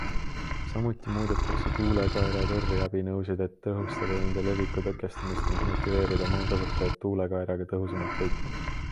Samuti muudetakse tuulekaera tõrjeabinõusid, et tõhustada nende leviku tõkestamist ning motiveerida maakasutajat tuulekaeraga tõhusamalt võitlema..